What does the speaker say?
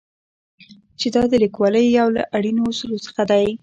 چې دا د لیکوالۍ یو له اړینو اصولو څخه دی.